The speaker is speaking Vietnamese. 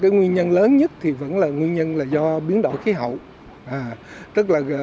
nguyên nhân lớn nhất vẫn là do biến đổi khí hậu